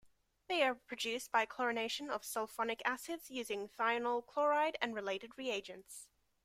They are produced by chlorination of sulfonic acids using thionyl chloride and related reagents.